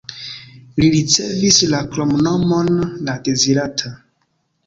Li ricevis la kromnomon "la dezirata".